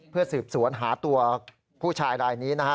เพื่อสืบสวนหาตัวผู้ชายรายนี้นะฮะ